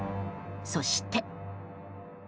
そして。